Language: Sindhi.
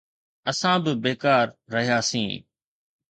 اسان به بيڪار رهياسين.